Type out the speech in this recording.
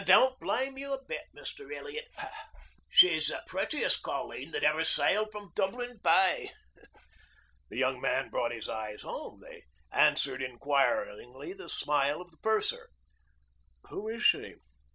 "Don't blame you a bit, Mr. Elliot. She's the prettiest colleen that ever sailed from Dublin Bay." The young man brought his eyes home. They answered engagingly the smile of the purser. "Who is she?"